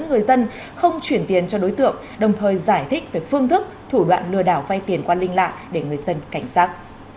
người dân không chuyển tiền cho đối tượng đồng thời giải thích về phương thức thủ đoạn lừa đảo vay tiền qua linh lạ để người dân cảnh giác